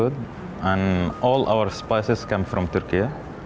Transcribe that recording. dan semua garam kita datang dari turki